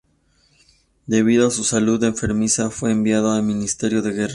Debido a su salud enfermiza, fue enviado al Ministerio de Guerra.